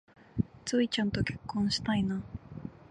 ツウィちゃんと結婚したいな